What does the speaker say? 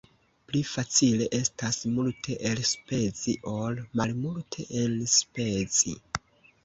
Pli facile estas multe elspezi, ol malmulte enspezi.